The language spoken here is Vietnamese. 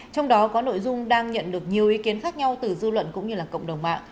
trong đó có nội dung đang nhận được nhiều ý kiến khác nhau từ dư luận cũng như là cộng đồng mạng